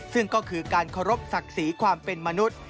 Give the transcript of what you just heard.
ซึ่งก็คือการเคารพศักดิ์ศรีความเป็นมนุษย์